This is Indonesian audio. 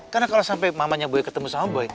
karena kalau sampai mamanya boy ketemu sama boy